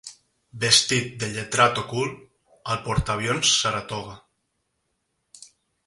Vestit de lletrat ocult al porta-avions Saratoga.